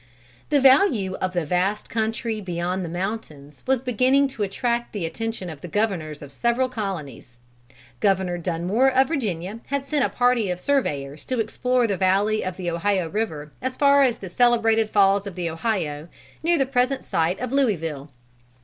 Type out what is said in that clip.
The value of the vast country beyond the mountains was beginning to attract the attention of the governors of the several colonies. Governor Dunmore of Virginia had sent a party of surveyors to explore the valley of the Ohio River as far as the celebrated Falls of the Ohio, near the present site of Louisville.